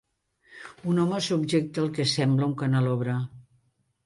Un home subjecte el que sembla un canelobre.